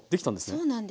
そうなんです。